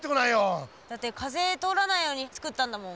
だって風通らないようにつくったんだもん。